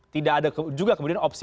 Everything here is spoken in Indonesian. tidak ada juga kemudian opsi